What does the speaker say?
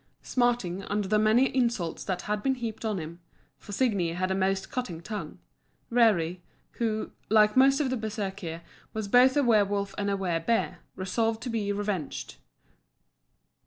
Smarting under the many insults that had been heaped on him for Signi had a most cutting tongue Rerir, who, like most of the Bersekir, was both a werwolf and a wer bear, resolved to be revenged.